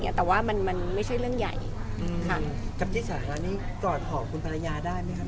เนี้ยแต่ว่ามันมันไม่ใช่เรื่องใหญ่ครับกับที่สาหัสนี้กับของคุณภรรยาได้ไหมครับ